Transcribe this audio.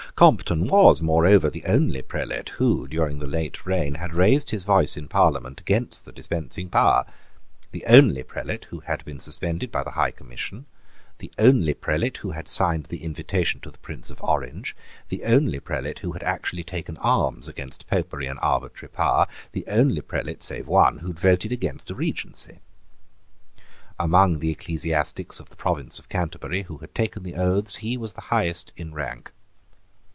Compton was, moreover, the only prelate who, during the late reign, had raised his voice in Parliament against the dispensing power, the only prelate who had been suspended by the High Commission, the only prelate who had signed the invitation to the Prince of Orange, the only prelate who had actually taken arms against Popery and arbitrary power, the only prelate, save one, who had voted against a Regency. Among the ecclesiastics of the Province of Canterbury who had taken the oaths, he was highest in rank.